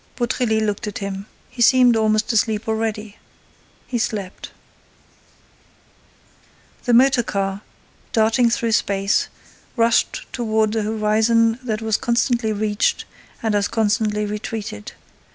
Beautrelet looked at him. He seemed almost asleep already. He slept. The motor car, darting through space, rushed toward a horizon that was constantly reached and as constantly retreated.